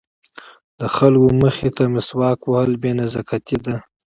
د خلکو مخې ته مسواک وهل بې نزاکتي ده.